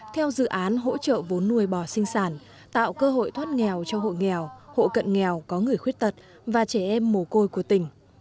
theo dự án hỗ trợ vốn nuôi bò sinh sản tạo cơ hội thoát nghèo cho hộ nghèo hộ cận nghèo có người khuyết tật và trẻ em mồ côi của tỉnh